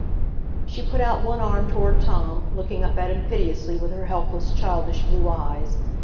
She put out one arm toward Tom, looking up at him piteously with her helpless, childish blue eyes.